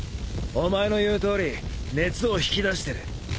お前の言うとおり熱を引き出してる。